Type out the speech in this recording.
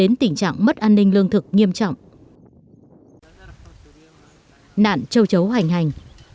nạn châu chấu hoành hành